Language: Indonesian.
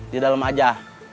di dalam aja